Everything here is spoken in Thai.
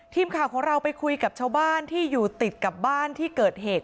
ทีมข่าวของเราไปคุยกับชาวบ้านที่อยู่ติดกับบ้านที่เกิดเหตุ